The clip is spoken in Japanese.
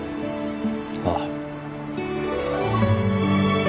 ああ。